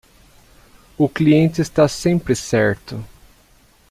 O cliente está sempre certo.